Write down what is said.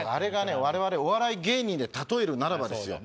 我々お笑い芸人で例えるならばですよ